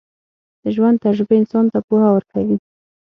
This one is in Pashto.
د ژوند تجربې انسان ته پوهه ورکوي.